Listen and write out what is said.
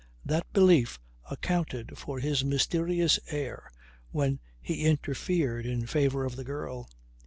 That belief accounted for his mysterious air while he interfered in favour of the girl.